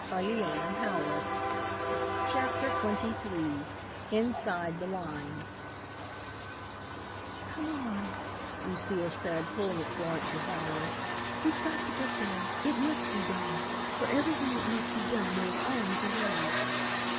"Oh, I must! I must!" CHAPTER XXIII INSIDE THE LINES "Come on," Lucile said, pulling at Florence's arm. "We've got to get there. It must be done. For everything that must be done there is always a way."